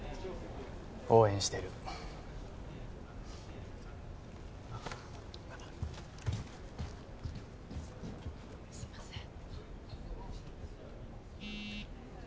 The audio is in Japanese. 応援してるすいません